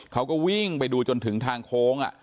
เขาก็วิ่งไปดูจนถึงทางโค้ง